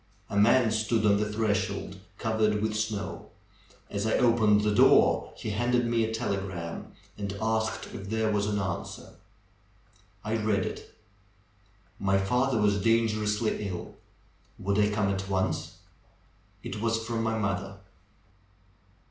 A man stood on the threshold, covered with snow. As I opened the door he handed me a telegram and asked: if there was an answer. I read it. My father was dangerously ill; would I come at once? It was from my mother.